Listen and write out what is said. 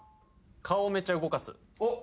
顔をめっちゃ動かす。